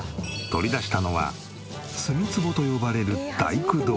取り出したのは墨つぼと呼ばれる大工道具。